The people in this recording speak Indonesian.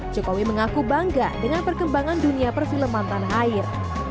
jokowi mengaku bangga dengan perkembangan dunia perfilmantan air